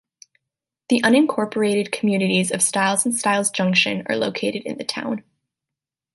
The unincorporated communities of Stiles and Stiles Junction are located in the town.